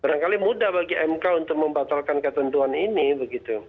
barangkali mudah bagi mk untuk membatalkan ketentuan ini begitu